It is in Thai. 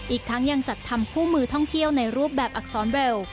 อีกทั้งยังจัดทำคู่มือท่องเที่ยวในรูปแบบอักษรเวล